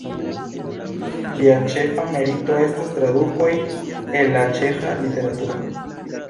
Lia ĉefa merito estas tradukoj el la ĉeĥa literaturo.